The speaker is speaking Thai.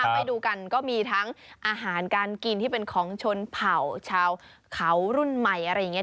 ไปดูกันก็มีทั้งอาหารการกินที่เป็นของชนเผ่าชาวเขารุ่นใหม่อะไรอย่างนี้